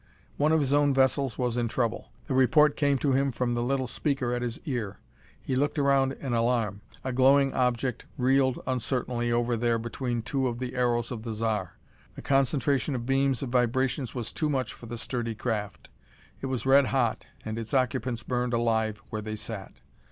One of his own vessels was in trouble. The report came to him from the little speaker at his ear. He looked around in alarm. A glowing object reeled uncertainly over there between two of the aeros of the Zar. The concentration of beams of vibrations was too much for the sturdy craft. It was red hot and its occupants burned alive where they sat.